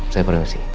saya perlu mesti